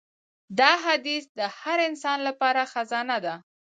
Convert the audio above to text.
دا حدیث د هر انسان لپاره خزانه ده.